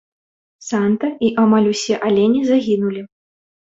Санта і амаль усе алені загінулі.